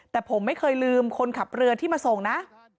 แต่ผมไม่เคยลืมคนขับเรือที่มาส่งนะ